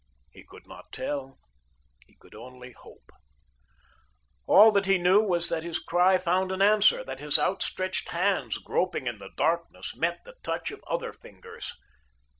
He could not tell; he could only hope. All that he knew was that his cry found an answer, that his outstretched hands, groping in the darkness, met the touch of other fingers.